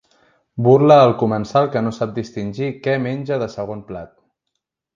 Burla al comensal que no sap distingir què menja de segon plat.